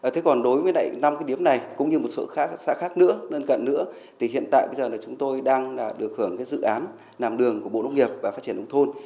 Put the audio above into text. thế còn đối với năm cái điếm này cũng như một số khác xã khác nữa lân cận nữa thì hiện tại bây giờ là chúng tôi đang được hưởng cái dự án làm đường của bộ nông nghiệp và phát triển nông thôn